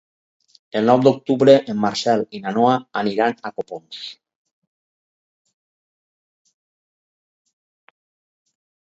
El nou d'octubre en Marcel i na Noa aniran a Copons.